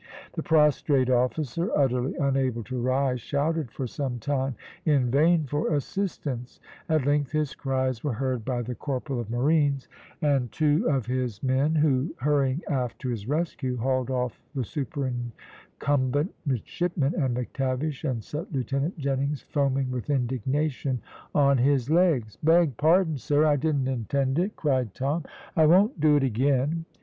The prostrate officer, utterly unable to rise, shouted for some time in vain for assistance; at length his cries were heard by the corporal of marines and two of his men, who hurrying aft to his rescue, hauled off the superincumbent midshipmen and McTavish, and set Lieutenant Jennings, foaming with indignation, on his legs. "Beg pardon, sir, I didn't intend it," cried Tom; "I won't do it again."